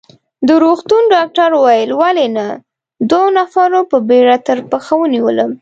د روغتون ډاکټر وویل: ولې نه، دوو نفرو په بېړه تر پښه ونیولم.